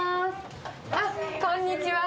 あっ、こんにちは。